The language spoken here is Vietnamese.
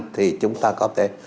thì chúng ta có thể